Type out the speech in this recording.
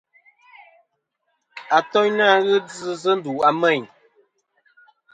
Atoynɨ fhɨ djɨ sɨ ndu a Meyn.